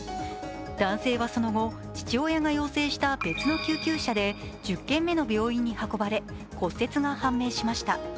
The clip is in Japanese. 男性はその後、父親が要請した別の救急車で１０軒目の病院に運ばれ骨折が判明しました。